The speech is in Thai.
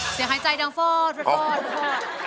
เสียงหายใจทางฟอดฟอด